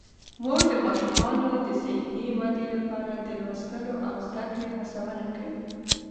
مور د ماشومانو د ذهني ودې لپاره د لوستلو او زده کړې هڅونه کوي.